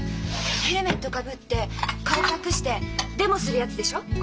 ヘルメットかぶって顔隠してデモするやつでしょ？